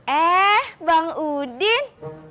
eh bang udin